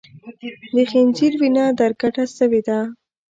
د خنځیر وینه در کډه سوې ده